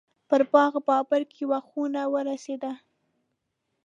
په باغ بابر کې یوه خونه ورسېده.